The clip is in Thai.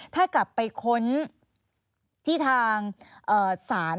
ถ้ากลับไปค้นที่ทางศาล